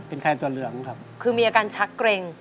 เป็นแทนตัวเหลืองครับคือมีอาการชักเกร็ง